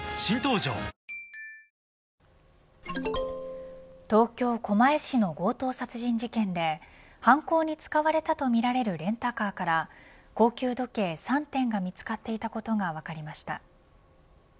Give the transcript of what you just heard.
美しく変えていく東京、狛江市の強盗殺人事件で犯行に使われたとみられるレンタカーから高級時計３点が見つかっていたことが分かりました。